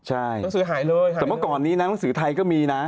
ใช่แต่เมื่อก่อนนี้หนังสือไทยก็มีนะ